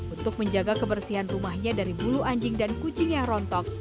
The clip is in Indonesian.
untuk menjaga kebersihan rumahnya dari bulu anjing dan kucing yang rontok